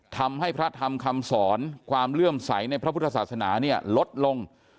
ทำให้พระธรรมคำสอนความเลื่อมใสในพระพุทธศาสนาเนี่ยลดลง